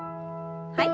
はい。